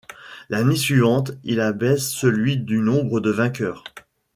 L’année suivante, il abaisse celui du nombre de vainqueurs.